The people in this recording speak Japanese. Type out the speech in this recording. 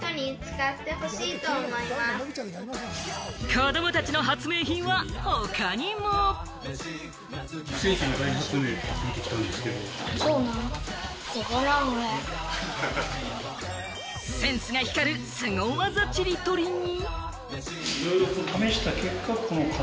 子供たちの発明品は他にも。センスが光る凄ワザ塵取りに。